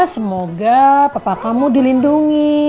semoga papa kamu dilindungi